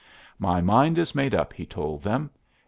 "My mind is made up," he told them.